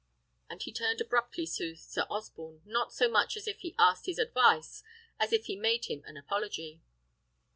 And he turned abruptly to Sir Osborne, not so much as if he asked his advice as if he made him an apology.